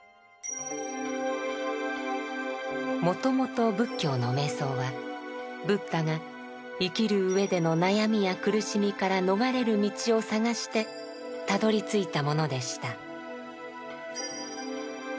もともと仏教の瞑想はブッダが生きるうえでの悩みや苦しみから逃れる道を探してたどりついたものでした。